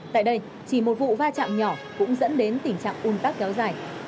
tại đây chỉ một vụ va chạm nhỏ cũng dẫn đến tình trạng un tắc kéo dài